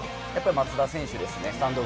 松田選手です。